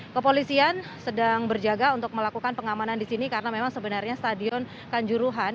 kepolisian sedang berjaga untuk melakukan pengamanan di sini karena memang sebenarnya stadion kanjuruhan